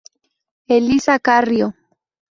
Elisa Carrió.